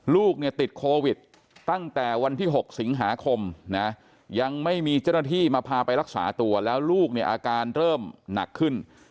ลูกติดโควิดตั้งแต่วันที่๖สิงหาคมยังไม่มีจะที่มาพาไปรักษาตัวแล้วลูกในอาการเริ่มหนักขึ้น